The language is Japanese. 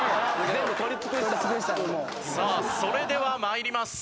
さあそれでは参ります。